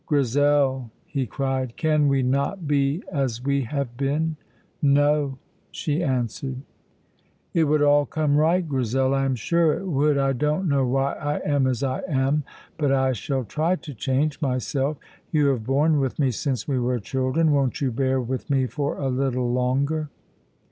"Grizel," he cried, "can we not be as we have been?" "No," she answered. "It would all come right, Grizel. I am sure it would. I don't know why I am as I am; but I shall try to change myself. You have borne with me since we were children. Won't you bear with me for a little longer?"